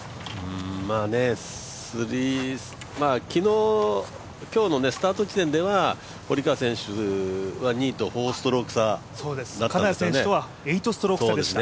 昨日、今日のスタート地点では堀川選手は２位と４ストローク差でしたね。